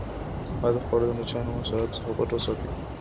پاته خواړه د مچانو او حشراتو څخه پټ وساتئ.